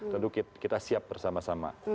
tentu kita siap bersama sama